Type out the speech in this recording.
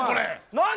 何？